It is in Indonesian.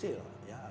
atau kepada komersil